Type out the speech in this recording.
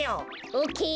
オッケー。